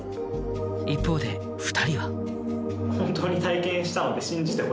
一方で２人は。